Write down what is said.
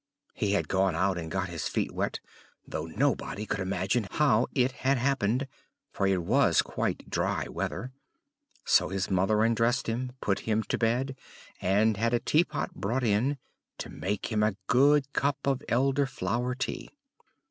He had gone out and got his feet wet; though nobody could imagine how it had happened, for it was quite dry weather. So his mother undressed him, put him to bed, and had the tea pot brought in, to make him a good cup of Elderflower tea.